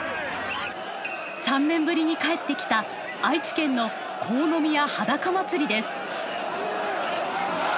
３年ぶりに帰って来た愛知県の国府宮はだか祭です。